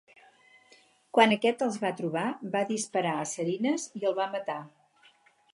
Quan aquest els va trobar, va disparar a Cerines i el va matar.